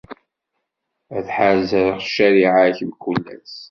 Ad ḥerzeɣ ccariɛa-k mkul ass.